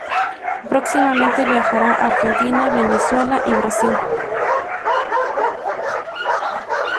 Próximamente viajará a Argentina, Venezuela y Brasil.